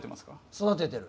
育ててる。